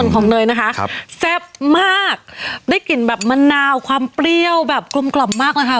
ของเนยนะคะครับแซ่บมากได้กลิ่นแบบมะนาวความเปรี้ยวแบบกลมกล่อมมากเลยค่ะ